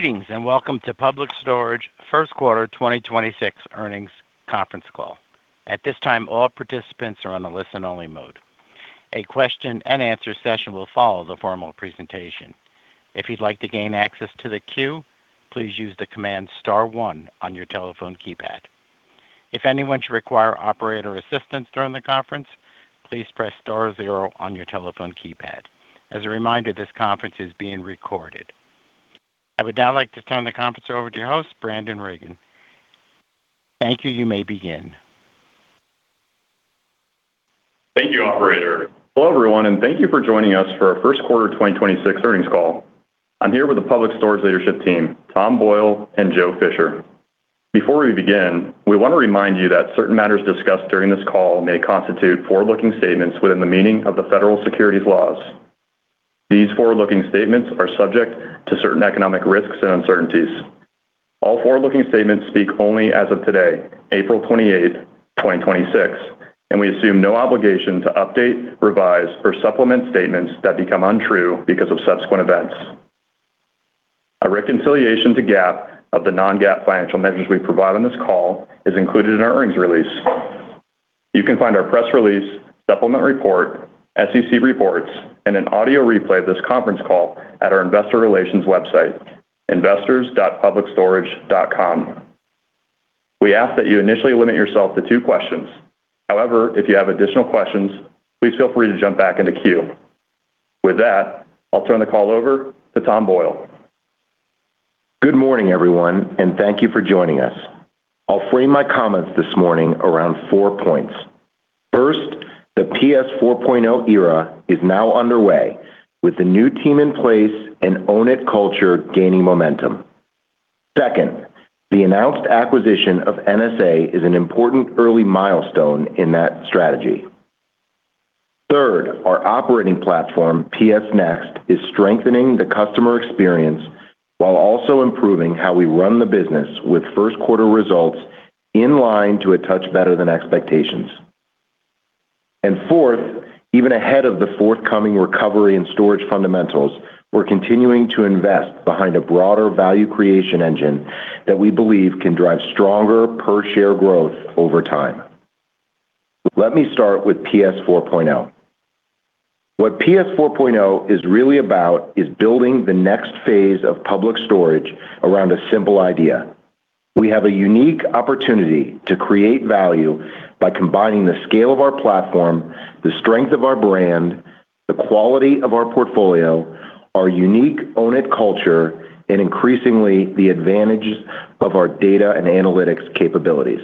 Greetings. Welcome to Public Storage first quarter 2026 earnings conference call. At this time, all participants are on a listen only mode. A question and answer session will follow the formal presentation. If you'd like to gain access to the queue, please use the command star one on your telephone keypad. If anyone should require operator assistance during the conference, please press star zero on your telephone keypad. As a reminder, this conference is being recorded. I would now like to turn the conference over to your host, Brandon Reagan. Thank you. You may begin. Thank you, operator. Hello, everyone, thank you for joining us for our first quarter 2026 earnings call. I'm here with the Public Storage leadership team, Tom Boyle and Joe Fisher. Before we begin, we want to remind you that certain matters discussed during this call may constitute forward-looking statements within the meaning of the federal securities laws. These forward-looking statements are subject to certain economic risks and uncertainties. All forward-looking statements speak only as of today, April 28, 2026, and we assume no obligation to update, revise, or supplement statements that become untrue because of subsequent events. A reconciliation to GAAP of the non-GAAP financial measures we provide on this call is included in our earnings release. You can find our press release, supplement report, SEC reports, and an audio replay of this conference call at our investor relations website, investors.publicstorage.com. We ask that you initially limit yourself to two questions. However, if you have additional questions, please feel free to jump back into queue. With that, I'll turn the call over to Tom Boyle. Good morning, everyone, and thank you for joining us. I'll frame my comments this morning around four points. First, the PS4.0 era is now underway with the new team in place and own it culture gaining momentum. Second, the announced acquisition of NSA is an important early milestone in that strategy. Third, our operating platform, PS Next, is strengthening the customer experience while also improving how we run the business with first quarter results in line to a touch better than expectations. Fourth, even ahead of the forthcoming recovery in storage fundamentals, we're continuing to invest behind a broader value creation engine that we believe can drive stronger per share growth over time. Let me start with PS4.0. What PS4.0 is really about is building the next phase of Public Storage around a simple idea. We have a unique opportunity to create value by combining the scale of our platform, the strength of our brand, the quality of our portfolio, our unique own it culture, and increasingly the advantages of our data and analytics capabilities.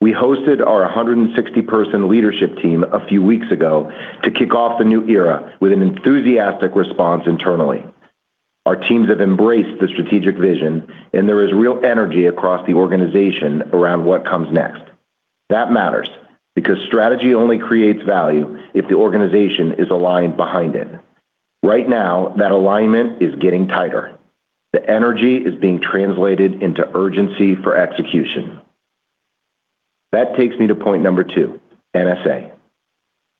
We hosted our 160 person leadership team a few weeks ago to kick off the new era with an enthusiastic response internally. Our teams have embraced the strategic vision, and there is real energy across the organization around what comes next. That matters because strategy only creates value if the organization is aligned behind it. Right now, that alignment is getting tighter. The energy is being translated into urgency for execution. That takes me to point number two, NSA.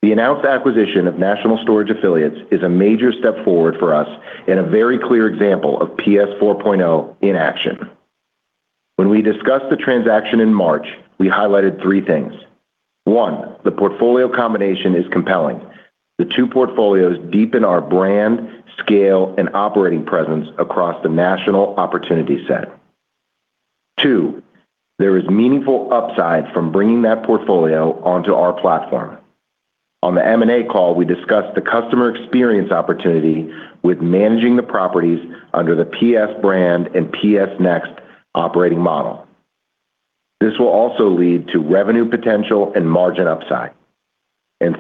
The announced acquisition of National Storage Affiliates is a major step forward for us and a very clear example of PS4.0 in action. When we discussed the transaction in March, we highlighted three things. One, the portfolio combination is compelling. The two portfolios deepen our brand, scale, and operating presence across the national opportunity set. Two, there is meaningful upside from bringing that portfolio onto our platform. On the M&A call, we discussed the customer experience opportunity with managing the properties under the PS brand and PS Next operating model. This will also lead to revenue potential and margin upside.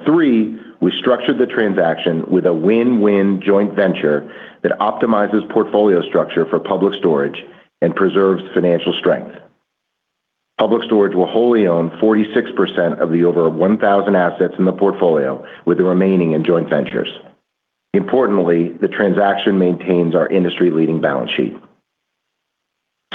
Three, we structured the transaction with a win-win joint venture that optimizes portfolio structure for Public Storage and preserves financial strength. Public Storage will wholly own 46% of the over 1,000 assets in the portfolio, with the remaining in joint ventures. Importantly, the transaction maintains our industry-leading balance sheet.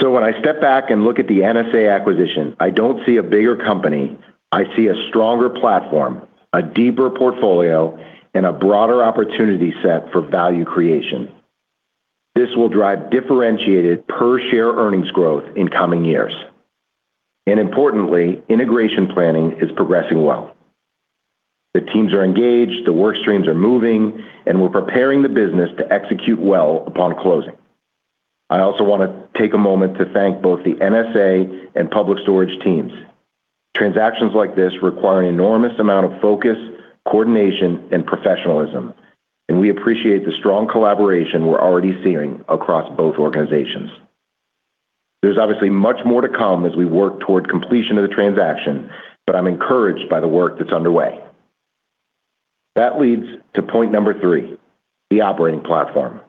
When I step back and look at the NSA acquisition, I don't see a bigger company. I see a stronger platform, a deeper portfolio, and a broader opportunity set for value creation. This will drive differentiated per share earnings growth in coming years. Importantly, integration planning is progressing well. The teams are engaged, the work streams are moving, and we're preparing the business to execute well upon closing. I also want to take a moment to thank both the NSA and Public Storage teams. Transactions like this require an enormous amount of focus, coordination, and professionalism, and we appreciate the strong collaboration we're already seeing across both organizations. There's obviously much more to come as we work toward completion of the transaction, but I'm encouraged by the work that's underway. That leads to point number three, the operating platform.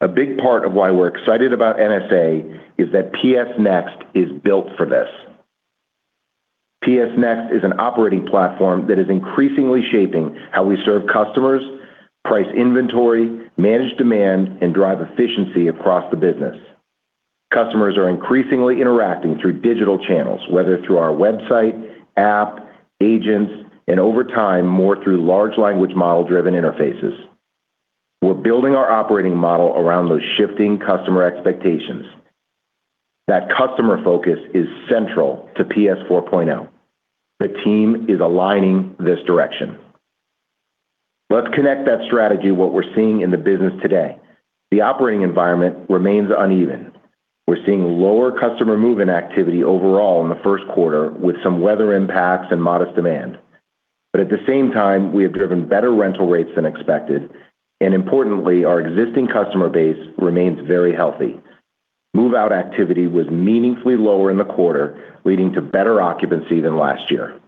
A big part of why we're excited about NSA is that PS Next is built for this. PS Next is an operating platform that is increasingly shaping how we serve customers, price inventory, manage demand, and drive efficiency across the business. Customers are increasingly interacting through digital channels, whether through our website, app, agents, and over time, more through large language model-driven interfaces. We're building our operating model around those shifting customer expectations. That customer focus is central to PS4.0. The team is aligning this direction. Let's connect that strategy what we're seeing in the business today. The operating environment remains uneven. We're seeing lower customer move-in activity overall in the first quarter with some weather impacts and modest demand. At the same time, we have driven better rental rates than expected, and importantly, our existing customer base remains very healthy. Move-out activity was meaningfully lower in the quarter, leading to better occupancy than last year.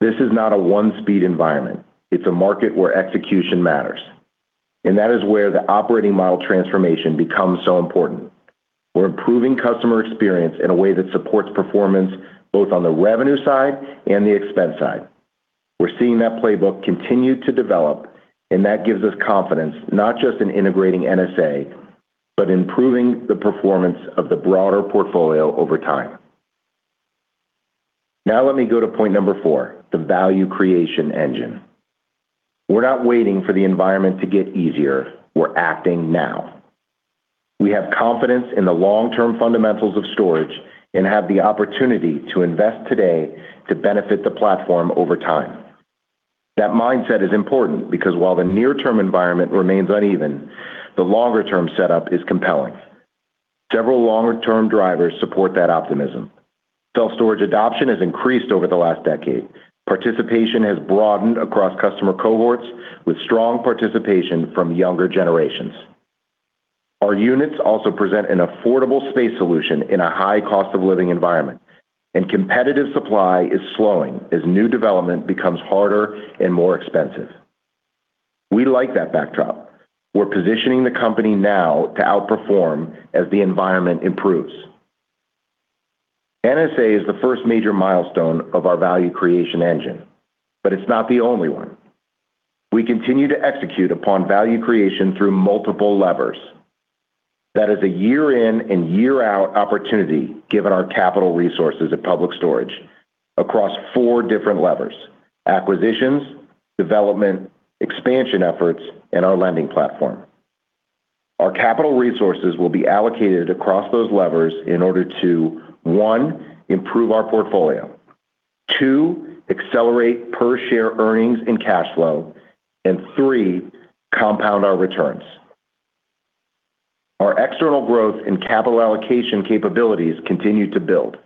This is not a one-speed environment. It's a market where execution matters, and that is where the operating model transformation becomes so important. We're improving customer experience in a way that supports performance both on the revenue side and the expense side. We're seeing that playbook continue to develop, and that gives us confidence, not just in integrating NSA, but improving the performance of the broader portfolio over time. Let me go to point number four, the value creation engine. We're not waiting for the environment to get easier, we're acting now. We have confidence in the long-term fundamentals of storage and have the opportunity to invest today to benefit the platform over time. That mindset is important because while the near-term environment remains uneven, the longer-term setup is compelling. Several longer-term drivers support that optimism. Self-storage adoption has increased over the last decade. Participation has broadened across customer cohorts with strong participation from younger generations. Our units also present an affordable space solution in a high cost of living environment. Competitive supply is slowing as new development becomes harder and more expensive. We like that backdrop. We're positioning the company now to outperform as the environment improves. NSA is the first major milestone of our value creation engine, it's not the only one. We continue to execute upon value creation through multiple levers. That is a year in and year out opportunity given our capital resources at Public Storage across four different levers: acquisitions, development, expansion efforts, and our lending platform. Our capital resources will be allocated across those levers in order to, one, improve our portfolio, two, accelerate per share earnings and cash flow, and three, compound our returns. Our external growth and capital allocation capabilities continue to build.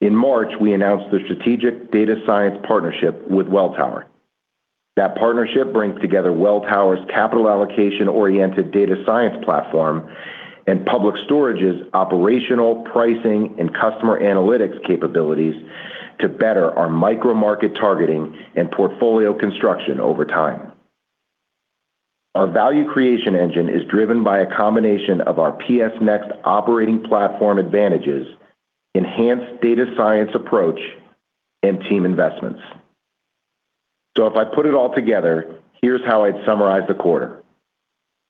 In March, we announced the strategic data science partnership with Welltower. That partnership brings together Welltower's capital allocation-oriented data science platform and Public Storage's operational, pricing, and customer analytics capabilities to better our micro market targeting and portfolio construction over time. Our value creation engine is driven by a combination of our PS Next operating platform advantages, enhanced data science approach, and team investments. If I put it all together, here's how I'd summarize the quarter.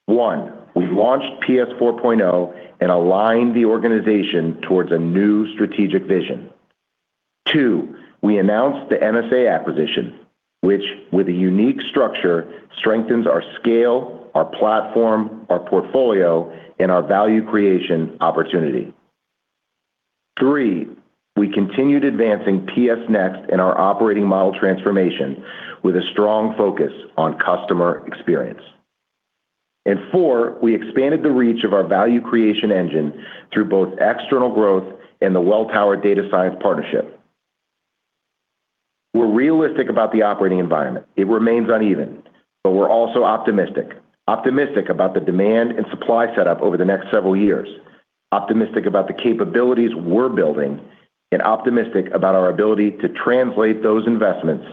One, we launched PS4.0 and aligned the organization towards a new strategic vision. Two, we announced the NSA acquisition, which, with a unique structure, strengthens our scale, our platform, our portfolio, and our value creation opportunity. Three, we continued advancing PS Next in our operating model transformation with a strong focus on customer experience. Four, we expanded the reach of our value creation engine through both external growth and the Welltower data science partnership. We're realistic about the operating environment. It remains uneven, but we're also optimistic. Optimistic about the demand and supply setup over the next several years, optimistic about the capabilities we're building, and optimistic about our ability to translate those investments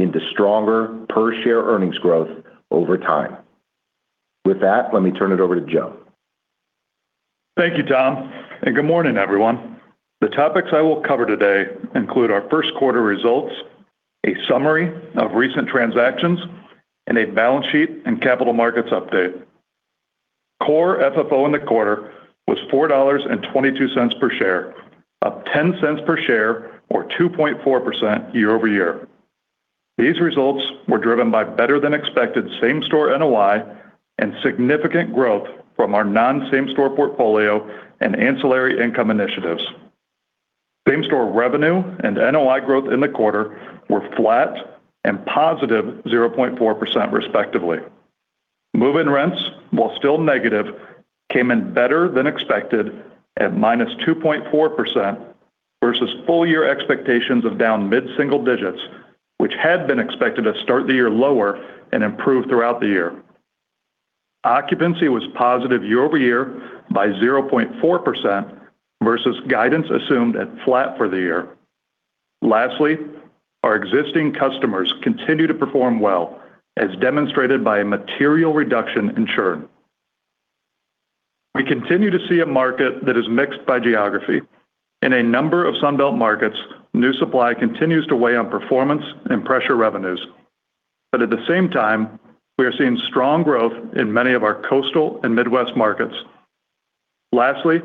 into stronger per share earnings growth over time. With that, let me turn it over to Joe. Thank you, Tom. Good morning, everyone. The topics I will cover today include our first quarter results, a summary of recent transactions, and a balance sheet and capital markets update. Core FFO in the quarter was $4.22 per share, up $0.10 per share or 2.4% year-over-year. These results were driven by better than expected same-store NOI and significant growth from our non-same-store portfolio and ancillary income initiatives. Same-store revenue and NOI growth in the quarter were flat and +0.4%, respectively. Move-in rents, while still negative, came in better than expected at -2.4% versus full year expectations of down mid-single digits, which had been expected to start the year lower and improve throughout the year. Occupancy was positive year-over-year by 0.4% versus guidance assumed at flat for the year. Lastly, our existing customers continue to perform well, as demonstrated by a material reduction in churn. We continue to see a market that is mixed by geography. In a number of Sun Belt markets, new supply continues to weigh on performance and pressure revenues. At the same time, we are seeing strong growth in many of our coastal and Midwest markets. Lastly,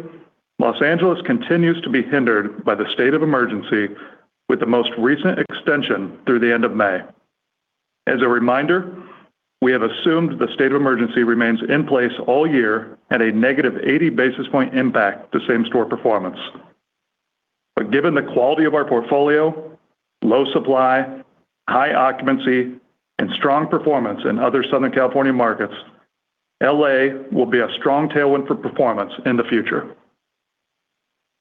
Los Angeles continues to be hindered by the state of emergency with the most recent extension through the end of May. As a reminder, we have assumed the state of emergency remains in place all year at a negative 80 basis point impact to same-store performance. Given the quality of our portfolio, low supply, high occupancy, and strong performance in other Southern California markets, L.A. will be a strong tailwind for performance in the future.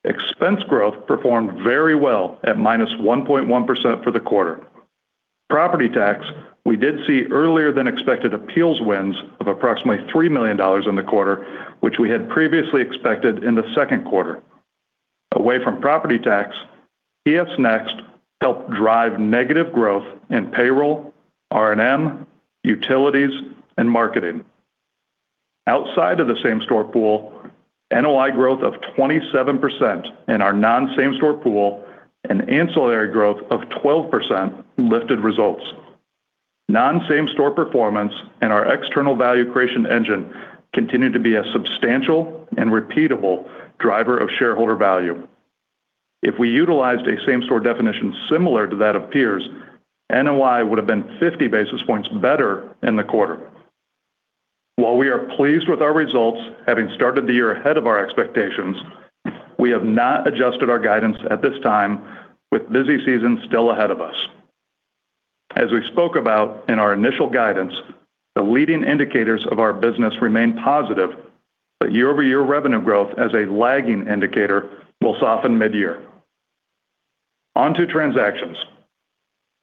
Expense growth performed very well at -1.1% for the quarter. Property tax, we did see earlier than expected appeals wins of approximately $3 million in the quarter, which we had previously expected in the second quarter. Away from property tax, PS Next helped drive negative growth in payroll, R&M, utilities, and marketing. Outside of the same-store pool, NOI growth of 27% in our non-same store pool and ancillary growth of 12% lifted results. Non-same store performance in our external value creation engine continued to be a substantial and repeatable driver of shareholder value. If we utilized a same-store definition similar to that of peers, NOI would have been 50 basis points better in the quarter. While we are pleased with our results, having started the year ahead of our expectations, we have not adjusted our guidance at this time with busy season still ahead of us. As we spoke about in our initial guidance, the leading indicators of our business remain positive that year-over-year revenue growth as a lagging indicator will soften mid-year. On to transactions.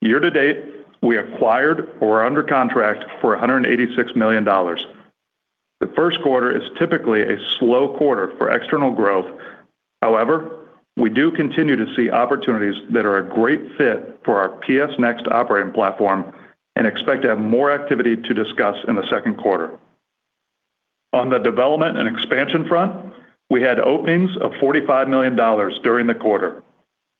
Year to date, we acquired or are under contract for $186 million. The first quarter is typically a slow quarter for external growth. However, we do continue to see opportunities that are a great fit for our PS Next operating platform and expect to have more activity to discuss in the second quarter. On the development and expansion front, we had openings of $45 million during the quarter.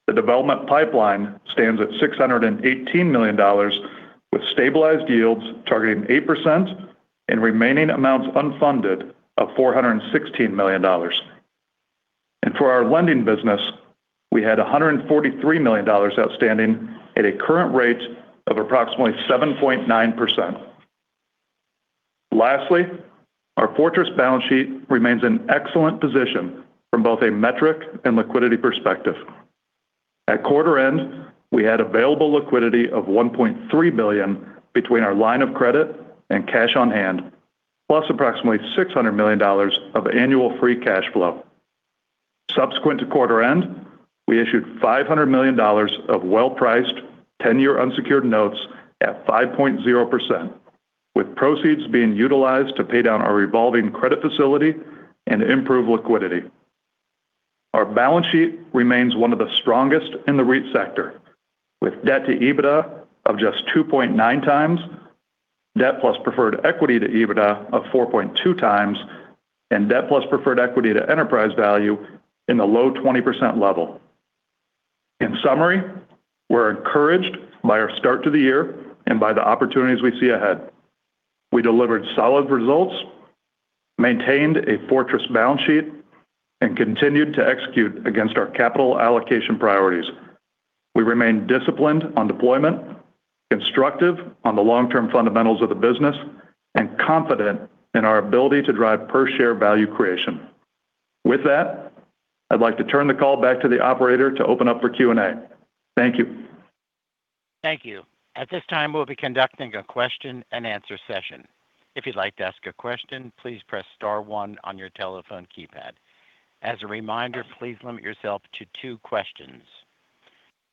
The development pipeline stands at $618 million, with stabilized yields targeting 8% and remaining amounts unfunded of $416 million. For our lending business, we had $143 million outstanding at a current rate of approximately 7.9%. Lastly, our fortress balance sheet remains an excellent position from both a metric and liquidity perspective. At quarter end, we had available liquidity of $1.3 billion between our line of credit and cash on hand, plus approximately $600 million of annual free cash flow. Subsequent to quarter end, we issued $500 million of well-priced 10-year unsecured notes at 5.0%, with proceeds being utilized to pay down our revolving credit facility and improve liquidity. Our balance sheet remains one of the strongest in the REIT sector, with debt to EBITDA of just 2.9x, debt plus preferred equity to EBITDA of 4.2x, and debt plus preferred equity to enterprise value in the low 20% level. In summary, we're encouraged by our start to the year and by the opportunities we see ahead. We delivered solid results, maintained a fortress balance sheet, and continued to execute against our capital allocation priorities. We remain disciplined on deployment, constructive on the long-term fundamentals of the business, and confident in our ability to drive per share value creation. With that, I'd like to turn the call back to the operator to open up for Q and A. Thank you. Thank you. At this time, we'll be conducting a question and answer session. If you'd like to ask a question, please press star one on your telephone keypad. As a reminder, please limit yourself to two questions.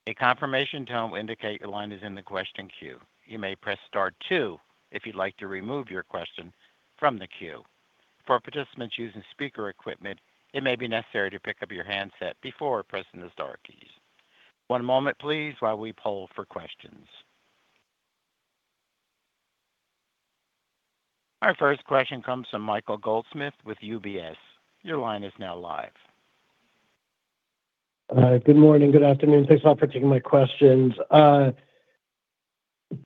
A confirmation tone will indicate your line is in the question queue. You may press star two if you'd like to remove your question from the queue. For participants using speaker equipment, it may be necessary to pick up your handset before pressing the star keys. One moment, please, while we poll for questions. Our first question comes from Michael Goldsmith with UBS. Your line is now live. Good morning, good afternoon. Thanks a lot for taking my questions.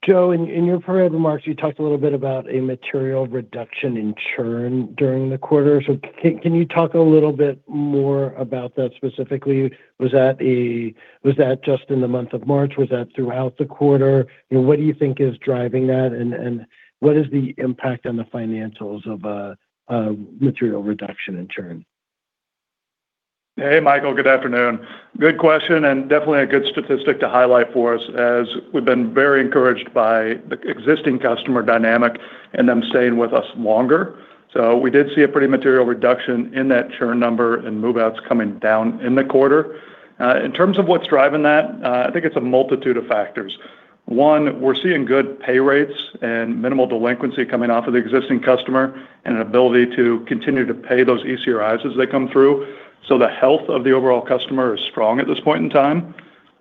Joe, in your prepared remarks, you talked a little bit about a material reduction in churn during the quarter. Can you talk a little bit more about that specifically? Was that just in the month of March? Was that throughout the quarter? You know, what do you think is driving that, and what is the impact on the financials of a material reduction in churn? Hey, Michael. Good afternoon. Good question, definitely a good statistic to highlight for us as we've been very encouraged by the existing customer dynamic and them staying with us longer. We did see a pretty material reduction in that churn number and move-outs coming down in the quarter. In terms of what's driving that, I think it's a multitude of factors. One, we're seeing good pay rates and minimal delinquency coming off of the existing customer and an ability to continue to pay those ECIs as they come through. The health of the overall customer is strong at this point in time.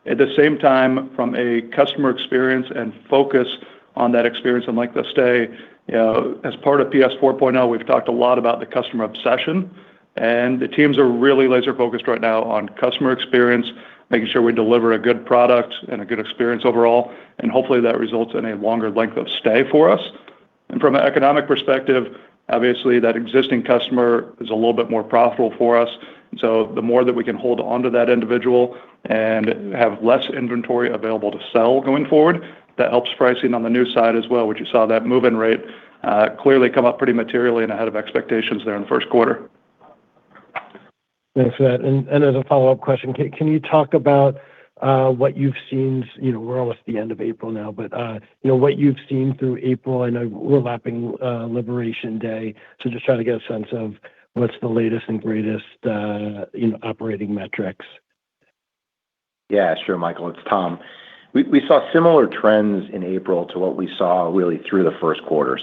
At the same time, from a customer experience and focus on that experience and length of stay, you know, as part of PS4.0, we've talked a lot about the customer obsession. The teams are really laser-focused right now on customer experience, making sure we deliver a good product and a good experience overall. Hopefully, that results in a longer length of stay for us. From an economic perspective, obviously that existing customer is a little bit more profitable for us. The more that we can hold onto that individual and have less inventory available to sell going forward, that helps pricing on the new side as well, which you saw that move-in rate clearly come up pretty materially and ahead of expectations there in the first quarter. Thanks for that. As a follow-up question, can you talk about what you've seen we're almost at the end of April now, but, you know, what you've seen through April. I know we're lapping Liberation Day, so just trying to get a sense of what's the latest and greatest in operating metrics. Yeah, sure, Michael, it's Tom. We saw similar trends in April to what we saw really through the first quarter.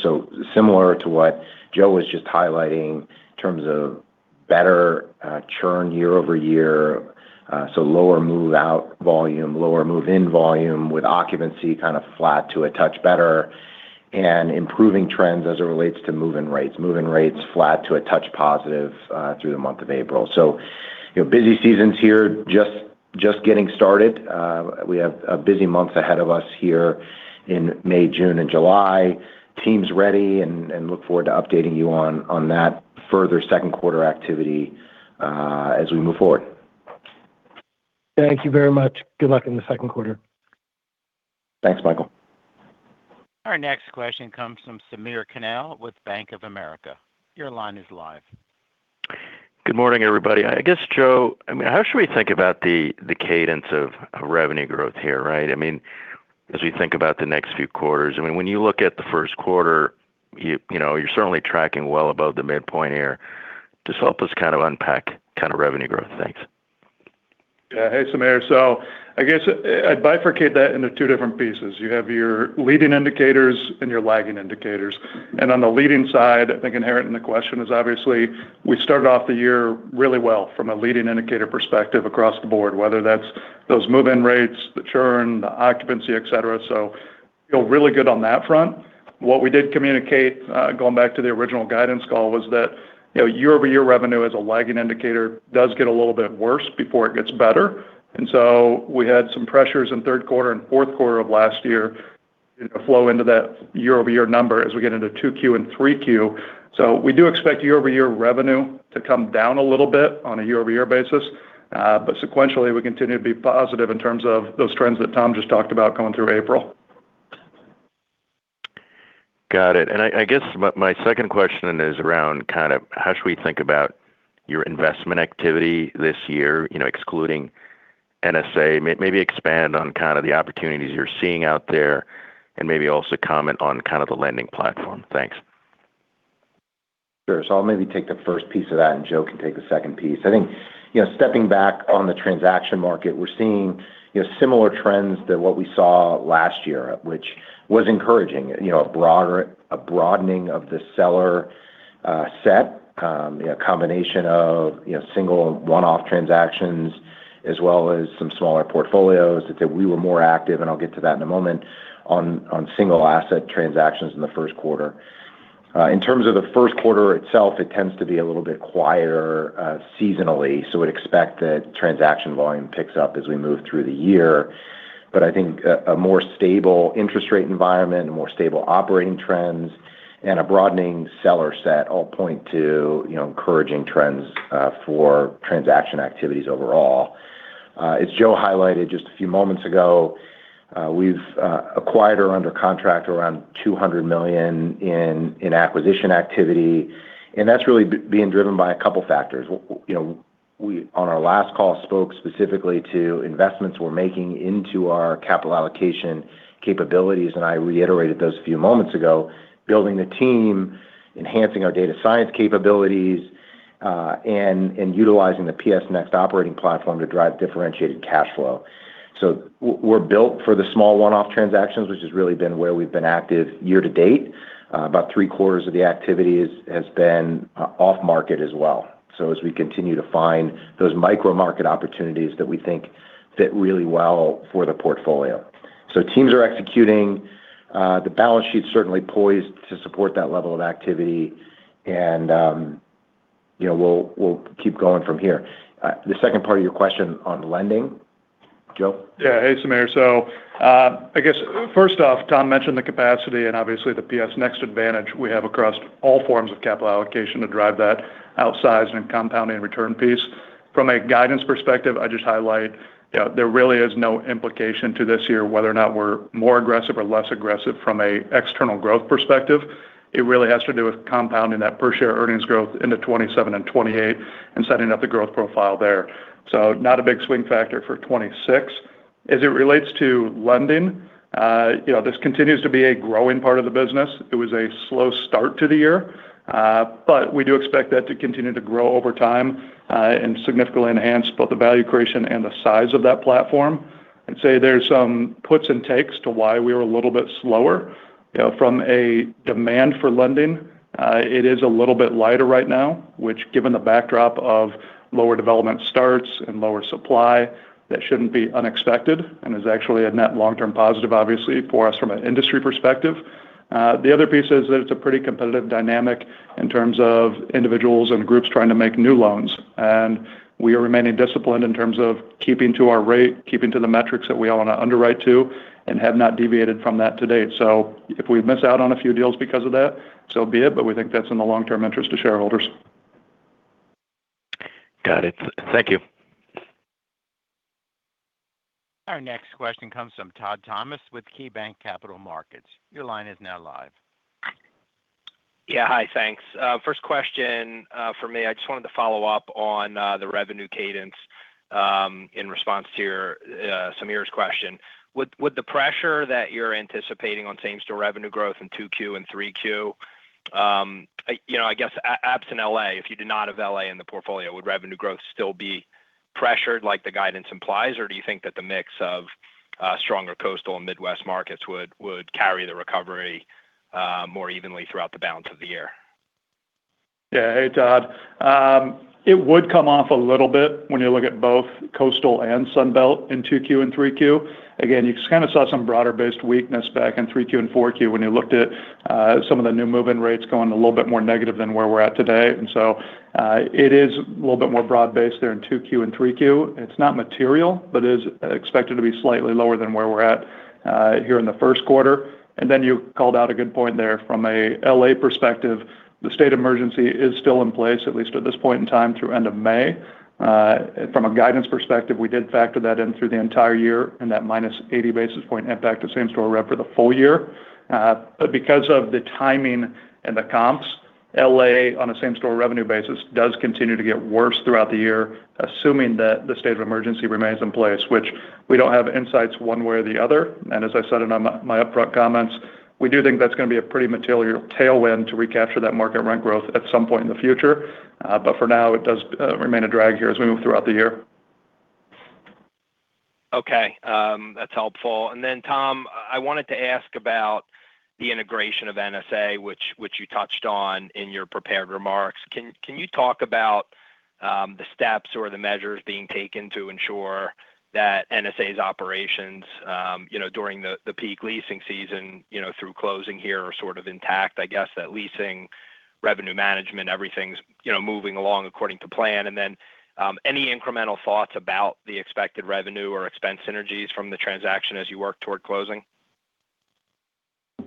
Similar to what Joe was just highlighting in terms of better churn year-over-year, so lower move-out volume, lower move-in volume with occupancy kind of flat to a touch better and improving trends as it relates to move-in rates. Move-in rates flat to a touch positive through the month of April. You know, busy seasons here, just getting started. We have busy months ahead of us here in May, June, and July. Team's ready and look forward to updating you on that further second quarter activity as we move forward. Thank you very much. Good luck in the second quarter. Thanks, Michael. Our next question comes from Samir Khanal with Bank of America. Your line is live. Good morning, everybody. I guess, Joe, I mean, how should we think about the cadence of revenue growth here, right? I mean, as we think about the next few quarters, I mean, when you look at the first quarter, you know, you're certainly tracking well above the midpoint here. Just help us kind of unpack kind of revenue growth. Thanks. Yeah. Hey, Samir. I guess I'd bifurcate that into two different pieces. You have your leading indicators and your lagging indicators. On the leading side, I think inherent in the question is obviously we started off the year really well from a leading indicator perspective across the board, whether that's those move-in rates, the churn, the occupancy, et cetera. Feel really good on that front. What we did communicate, going back to the original guidance call was that, you know, year-over-year revenue as a lagging indicator does get a little bit worse before it gets better. We had some pressures in third quarter and fourth quarter of last year, you know, flow into that year-over-year number as we get into 2Q and 3Q. We do expect year-over-year revenue to come down a little bit on a year-over-year basis. Sequentially, we continue to be positive in terms of those trends that Tom just talked about coming through April. Got it. I guess my second question is around kind of how should we think about your investment activity this year, you know, excluding NSA. Maybe expand on kind of the opportunities you're seeing out there and maybe also comment on kind of the lending platform. Thanks. Sure. I'll maybe take the first piece of that, and Joe can take the second piece. I think, you know, stepping back on the transaction market, we're seeing, you know, similar trends than what we saw last year, which was encouraging. You know, a broadening of the seller set, you know, combination of, you know, single one-off transactions as well as some smaller portfolios. I'd say we were more active, and I'll get to that in a moment, on single asset transactions in the first quarter. In terms of the first quarter itself, it tends to be a little bit quieter, seasonally, we'd expect that transaction volume picks up as we move through the year. I think a more stable interest rate environment, a more stable operating trends, and a broadening seller set all point to, you know, encouraging trends for transaction activities overall. As Joe highlighted just a few moments ago, we've acquired or under contract around $200 million in acquisition activity, and that's really being driven by a couple factors. You know, we on our last call spoke specifically to investments we're making into our capital allocation capabilities, and I reiterated those a few moments ago, building the team, enhancing our data science capabilities, and utilizing the PS Next operating platform to drive differentiated cash flow. We're built for the small one-off transactions, which has really been where we've been active year to date. About three-quarters of the activities has been off market as well. As we continue to find those micro market opportunities that we think fit really well for the portfolio. Teams are executing, the balance sheet's certainly poised to support that level of activity and, you know, we'll keep going from here. The second part of your question on lending, Joe? Hey, Samir. I guess first off, Tom mentioned the capacity and obviously the PS Next advantage we have across all forms of capital allocation to drive that outsized and compounding return piece. From a guidance perspective, I just highlight, you know, there really is no implication to this year whether or not we're more aggressive or less aggressive from a external growth perspective. It really has to do with compounding that per share earnings growth into 2027 and 2028 and setting up the growth profile there. Not a big swing factor for 2026. As it relates to lending, you know, this continues to be a growing part of the business. It was a slow start to the year, we do expect that to continue to grow over time and significantly enhance both the value creation and the size of that platform. I'd say there's some puts and takes to why we were a little bit slower. You know, from a demand for lending, it is a little bit lighter right now, which given the backdrop of lower development starts and lower supply, that shouldn't be unexpected and is actually a net long-term positive obviously for us from an industry perspective. The other piece is that it's a pretty competitive dynamic in terms of individuals and groups trying to make new loans. We are remaining disciplined in terms of keeping to our rate, keeping to the metrics that we all want to underwrite to, and have not deviated from that to date. If we miss out on a few deals because of that, so be it, but we think that's in the long-term interest to shareholders. Got it. Thank you. Our next question comes from Todd Thomas with KeyBanc Capital Markets. Your line is now live. Yeah. Hi. Thanks. First question for me, I just wanted to follow up on the revenue cadence in response to your Samir's question. Would the pressure that you're anticipating on same-store revenue growth in 2Q and 3Q, you know, I guess absent L.A., if you did not have L.A. in the portfolio, would revenue growth still be pressured like the guidance implies? Or do you think that the mix of stronger coastal and midwest markets would carry the recovery more evenly throughout the balance of the year? Yeah. Hey, Todd. It would come off a little bit when you look at both coastal and Sunbelt in 2Q and 3Q. Again, you kind of saw some broader based weakness back in 3Q and 4Q when you looked at some of the new move-in rates going a little bit more negative than where we're at today. It is a little bit more broad based there in 2Q and 3Q. It's not material, but is expected to be slightly lower than where we're at here in the first quarter. You called out a good point there from a L.A. perspective. The state of emergency is still in place, at least at this point in time, through end of May. From a guidance perspective, we did factor that in through the entire year and that -80 basis point impact to same-store rev for the full year. Because of the timing and the comps, L.A. on a same-store revenue basis does continue to get worse throughout the year, assuming that the state of emergency remains in place, which we don't have insights one way or the other. As I said in my upfront comments, we do think that's gonna be a pretty material tailwind to recapture that market rent growth at some point in the future. For now, it does remain a drag here as we move throughout the year. Okay. That's helpful. Tom, I wanted to ask about the integration of NSA, which you touched on in your prepared remarks. Can you talk about the steps or the measures being taken to ensure that NSA's operations, you know, during the peak leasing season, you know, through closing here are sort of intact? I guess that leasing revenue management, everything's, you know, moving along according to plan. Then any incremental thoughts about the expected revenue or expense synergies from the transaction as you work toward closing?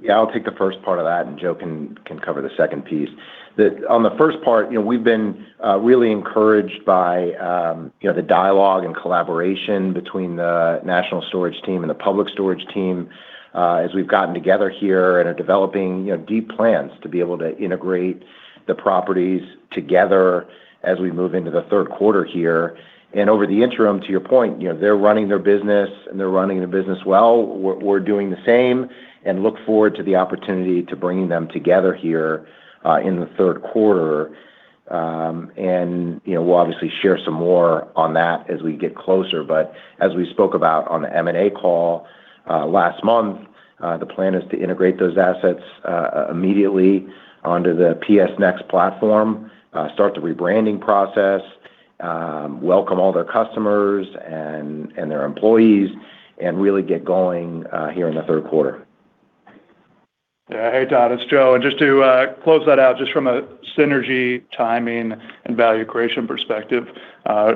Yeah, I'll take the first part of that and Joe can cover the second piece. On the first part, you know, we've been really encouraged by, you know, the dialogue and collaboration between the National Storage team and the Public Storage team, as we've gotten together here and are developing, you know, deep plans to be able to integrate the properties together as we move into the third quarter here. Over the interim, to your point, you know, they're running their business and they're running their business well. We're doing the same and look forward to the opportunity to bringing them together here, in the third quarter. You know, we'll obviously share some more on that as we get closer. As we spoke about on the M&A call, last month, the plan is to integrate those assets immediately onto the PS Next platform, start the rebranding process, welcome all their customers and their employees, and really get going here in the third quarter. Yeah. Hey, Todd, it's Joe. Just to close that out, just from a synergy, timing, and value creation perspective,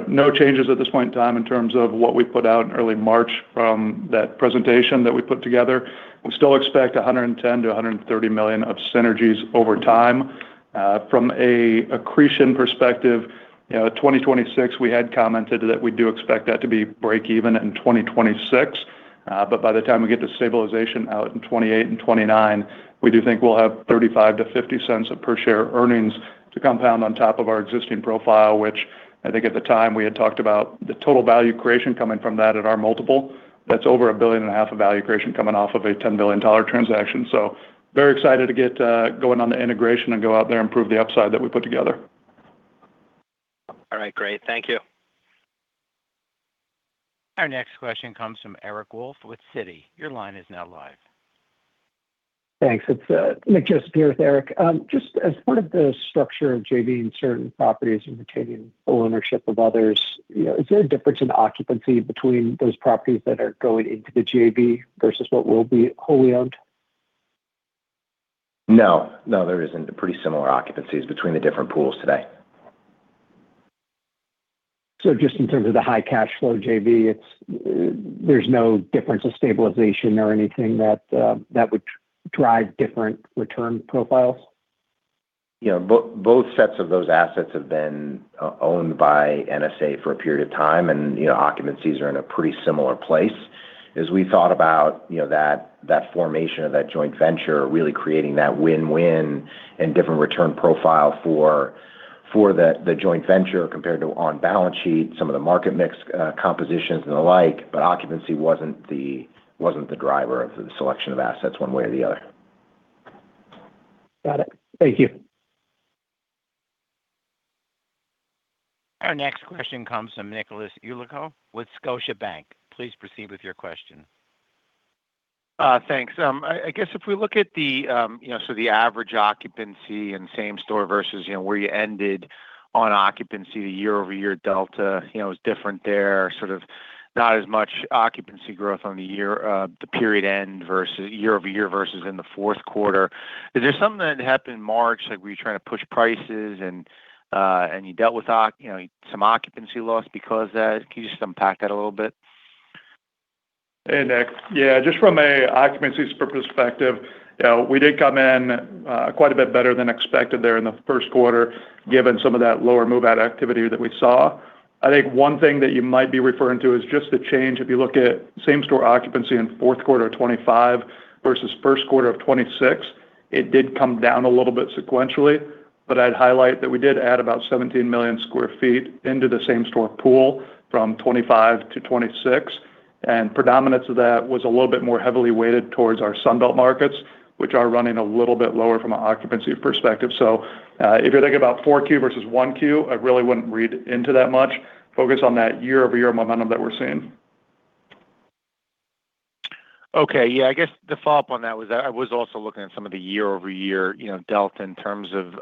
no changes at this point in time in terms of what we put out in early March from that presentation that we put together. We still expect $110 million-$130 million of synergies over time. From an accretion perspective, you know, 2026, we had commented that we do expect that to be breakeven in 2026. By the time we get to stabilization out in 2028 and 2029, we do think we'll have $0.35-$0.50 of per share earnings to compound on top of our existing profile, which I think at the time we had talked about the total value creation coming from that at our multiple. That's over a $1.5 billion of value creation coming off of a $10 billion transaction. Very excited to get going on the integration and go out there and prove the upside that we put together. All right. Great. Thank you. Our next question comes from Eric Wolfe with Citi. Your line is now live. Thanks. It's Nick here with Eric. Just as part of the structure of JV and certain properties and retaining full ownership of others, you know, is there a difference in occupancy between those properties that are going into the JV versus what will be wholly owned? No. No, there isn't. Pretty similar occupancies between the different pools today. Just in terms of the high cash flow JV, there's no difference of stabilization or anything that would drive different return profiles? You know, both sets of those assets have been owned by NSA for a period of time and, you know, occupancies are in a pretty similar place. As we thought about, you know, that formation of that joint venture, really creating that win-win and different return profile for the joint venture compared to on balance sheet, some of the market mix compositions and the like, but occupancy wasn't the driver of the selection of assets one way or the other. Got it. Thank you. Our next question comes from Nicholas Yulico with Scotiabank. Please proceed with your question. Thanks. I guess if we look at the, you know, the average occupancy and same store versus, you know, where you ended on occupancy the year-over-year delta, you know, it was different there, sort of not as much occupancy growth on the year, the period end versus year-over-year versus in the fourth quarter. Is there something that happened in March, like, were you trying to push prices and you dealt with, you know, some occupancy loss because of that? Can you just unpack that a little bit? Yeah, just from a occupancies perspective, you know, we did come in quite a bit better than expected there in the first quarter, given some of that lower move-out activity that we saw. I think one thing that you might be referring to is just the change. If you look at same-store occupancy in fourth quarter 2025 versus first quarter of 2026, it did come down a little bit sequentially, but I'd highlight that we did add about 17 million sq ft into the same-store pool from 2025 to 2026. Predominance of that was a little bit more heavily weighted towards our Sun Belt markets, which are running a little bit lower from an occupancy perspective. If you're thinking about 4Q versus 1Q, I really wouldn't read into that much. Focus on that year-over-year momentum that we're seeing. I guess the follow-up on that was that I was also looking at some of the year-over-year, you know, delta in terms of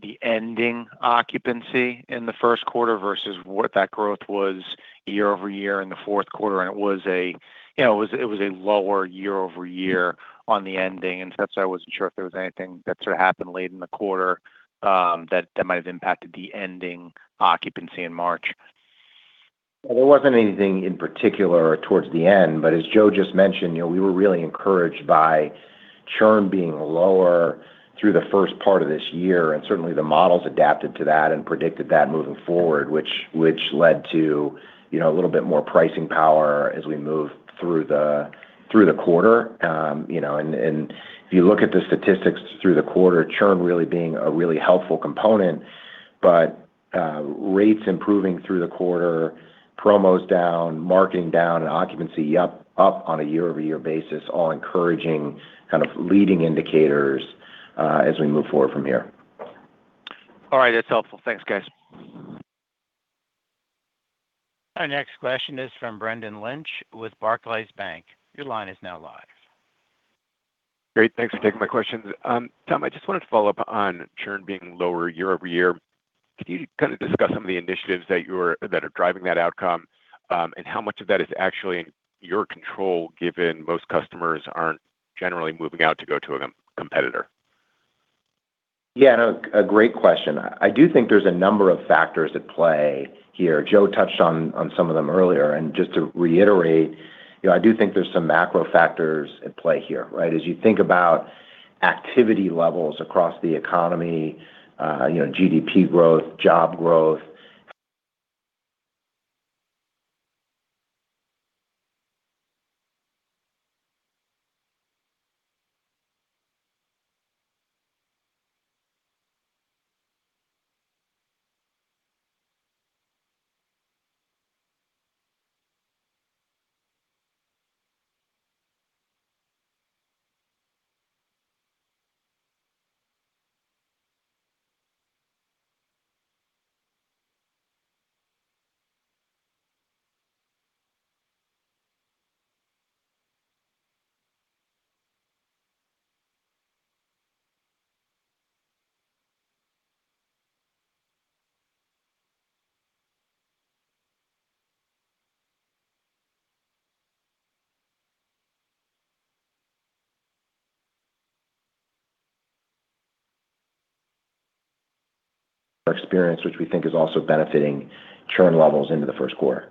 the ending occupancy in the first quarter versus what that growth was year-over-year in the fourth quarter. It was a, you know, it was a lower year-over-year on the ending. That's why I wasn't sure if there was anything that sort of happened late in the quarter that might have impacted the ending occupancy in March. There wasn't anything in particular towards the end, but as Joe just mentioned, you know, we were really encouraged by churn being lower through the first part of this year, and certainly the models adapted to that and predicted that moving forward, which led to, you know, a little bit more pricing power as we moved through the quarter. You know, if you look at the statistics through the quarter, churn really being a really helpful component, but rates improving through the quarter, promos down, marking down, and occupancy up on a year-over-year basis, all encouraging kind of leading indicators, as we move forward from here. All right. That's helpful. Thanks, guys. Our next question is from Brendan Lynch with Barclays Bank. Your line is now live. Great. Thanks for taking my questions. Tom, I just wanted to follow up on churn being lower year-over-year. Can you kind of discuss some of the initiatives that are driving that outcome, and how much of that is actually in your control, given most customers aren't generally moving out to go to a competitor? Yeah, no, a great question. I do think there's a number of factors at play here. Joe touched on some of them earlier. Just to reiterate, you know, I do think there's some macro factors at play here, right? As you think about activity levels across the economy, you know, GDP growth, job growth, our experience, which we think is also benefiting churn levels into the first quarter.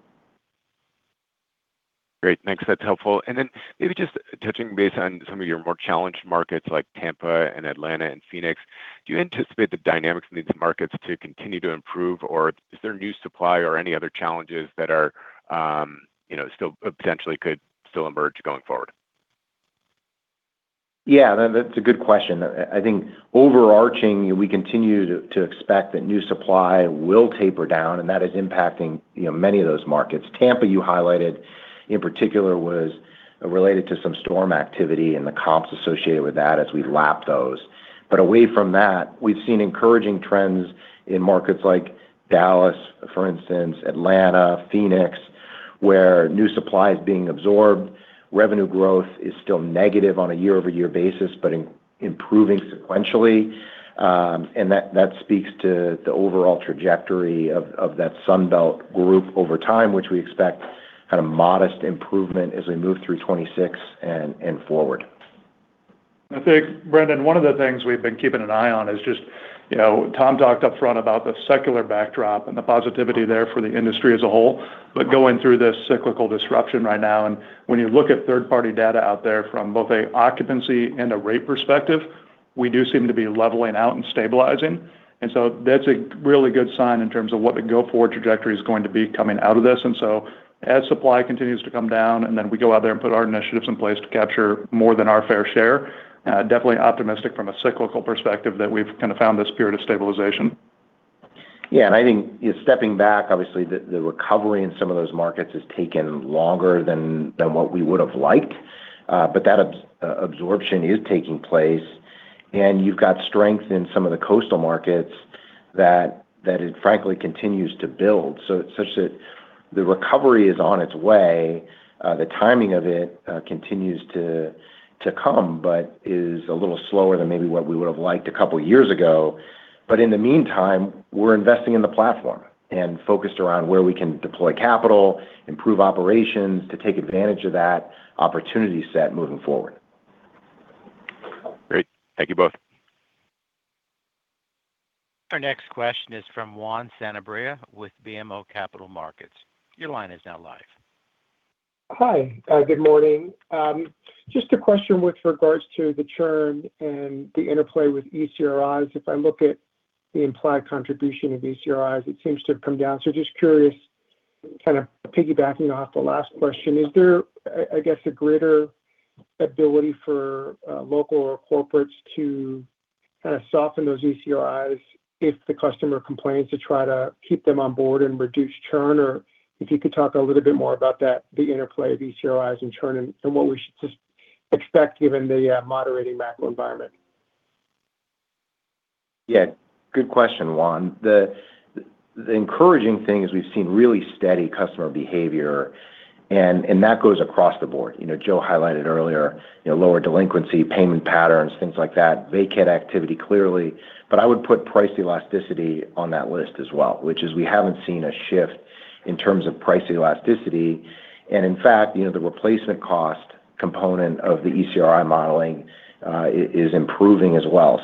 Great. Thanks. That's helpful. Then maybe just touching base on some of your more challenged markets like Tampa and Atlanta and Phoenix. Do you anticipate the dynamics in these markets to continue to improve, or is there new supply or any other challenges that are, you know, still potentially could still emerge going forward? Yeah. That's a good question. I think overarching, we continue to expect that new supply will taper down, and that is impacting, you know, many of those markets. Tampa, you highlighted in particular, was related to some storm activity and the comps associated with that as we lap those. Away from that, we've seen encouraging trends in markets like Dallas, for instance, Atlanta, Phoenix, where new supply is being absorbed. Revenue growth is still negative on a year-over-year basis, but improving sequentially. That speaks to the overall trajectory of that Sun Belt group over time, which we expect kind of modest improvement as we move through 2026 and forward. I think, Brendan, one of the things we've been keeping an eye on is just, you know, Tom talked upfront about the secular backdrop and the positivity there for the industry as a whole, but going through this cyclical disruption right now. When you look at third-party data out there from both a occupancy and a rate perspective, we do seem to be leveling out and stabilizing. So that's a really good sign in terms of what the go-forward trajectory is going to be coming out of this. So as supply continues to come down, then we go out there and put our initiatives in place to capture more than our fair share, definitely optimistic from a cyclical perspective that we've kind of found this period of stabilization. Yeah. I think, stepping back, obviously the recovery in some of those markets has taken longer than what we would have liked, but that absorption is taking place. You've got strength in some of the coastal markets that it frankly continues to build. It's such that the recovery is on its way. The timing of it continues to come, but is a little slower than maybe what we would have liked a couple years ago. In the meantime, we're investing in the platform and focused around where we can deploy capital, improve operations to take advantage of that opportunity set moving forward. Great. Thank you both. Our next question is from Juan Sanabria with BMO Capital Markets. Hi. Good morning. Just a question with regards to the churn and the interplay with ECRI. If I look at the implied contribution of ECRI, it seems to have come down. Just curious, kind of piggybacking off the last question, is there, I guess, a greater ability for local or corporates to kind of soften those ECRI if the customer complains to try to keep them on board and reduce churn? If you could talk a little bit more about that, the interplay of ECRI and churn and what we should just expect given the moderating macro environment. Yeah. Good question, Juan. The encouraging thing is we've seen really steady customer behavior and that goes across the board. You know, Joe highlighted earlier, you know, lower delinquency payment patterns, things like that, vacate activity clearly. I would put price elasticity on that list as well, which is we haven't seen a shift in terms of price elasticity. In fact, you know, the replacement cost component of the ECRI modeling is improving as well.